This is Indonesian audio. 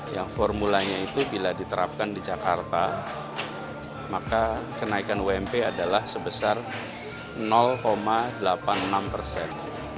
yang formulanya itu bila diterapkan di jakarta maka kenaikan ump adalah sebesar delapan puluh enam persen